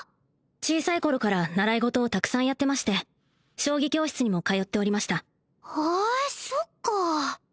小さい頃から習い事をたくさんやってまして将棋教室にも通っておりましたへえそっか